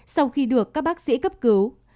sau khi được các bác sĩ cấp cứu